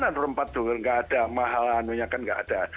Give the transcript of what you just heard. dia mau nyari tempat dimana rempat dulu gak ada mahal anunya kan gak ada